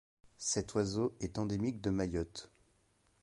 Cet oiseau est endémique de Mayotte.